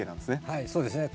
はいそうですね。